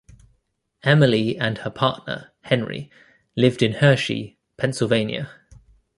Emily and her partner, Henry, lived in Hershey, Pennsylvania.